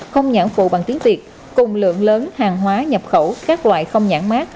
không nhãn phụ bằng tiếng việt cùng lượng lớn hàng hóa nhập khẩu các loại không nhãn mát